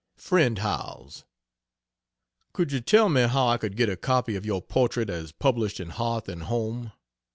FRIEND HOWELLS, Could you tell me how I could get a copy of your portrait as published in Hearth and Home?